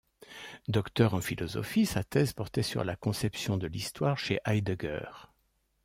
Docteur en philosophie, sa thèse portait sur la conception de l'histoire chez Heidegger.